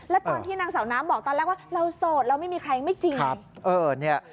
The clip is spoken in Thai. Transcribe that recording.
แล้วตอนที่นางสาวน้ำบอกตอนแรกว่าเราโสดเราไม่มีใครไม่จริง